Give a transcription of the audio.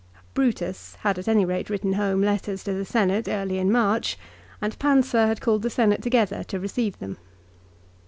Brutus had at any rate written home letters to the Senate early in March, and Pansa had called the Senate together to receive them.